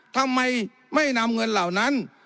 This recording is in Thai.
ทำไมไม่นำเงินเหล่านั้น